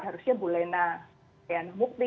harusnya bu lena ya mukti